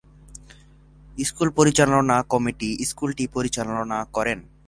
School পরিচালনা committee স্কুলটি পরিচালনা করেন।